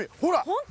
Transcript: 本当？